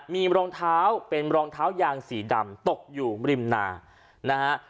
มีรองเท้าเป็นรองเท้ายางสีดำตกอยู่ริมนานะฮะ